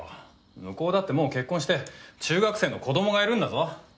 向こうだってもう結婚して中学生の子どもがいるんだぞ。